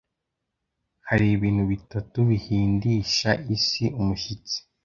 hari ibintu bitatu bihindisha isi umushyitsi